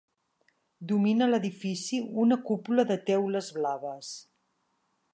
Domina l'edifici una cúpula de teules blaves.